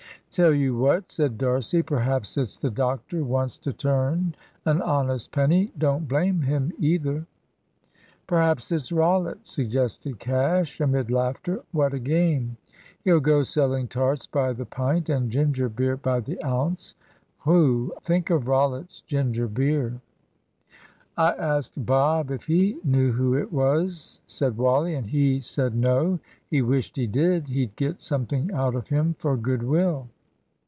"Tell you what," said D'Arcy, "perhaps it's the doctor wants to turn an honest penny. Don't blame him either." "Perhaps it's Rollitt," suggested Cash, amid laughter. "What a game! He'll go selling tarts by the pint and ginger beer by the ounce. Whew! think of Rollitt's ginger beer." "I asked Bob if he knew who it was," said Wally, "and he said, `No, he wished he did; he'd get something out of him for good will.'"